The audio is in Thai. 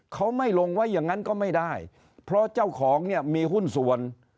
เขาไม่ลงไว้อย่างนั้นก็ไม่ได้เพราะเจ้าของเนี่ยมีหุ้นส่วน